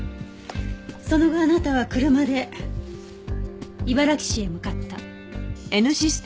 その後あなたは車で茨木市へ向かった。